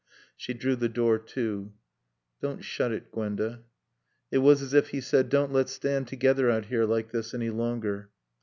She drew the door to. "Don't shut it, Gwenda." It was as if he said, "Don't let's stand together out here like this any longer."